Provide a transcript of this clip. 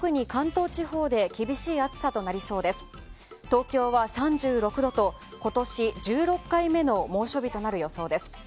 東京は３６度と今年１６回目の猛暑日となる予想です。